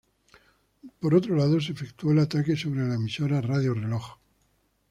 Por otro lado, se efectuó el ataque sobre la emisora Radio Reloj.